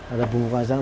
ada bumbu kacang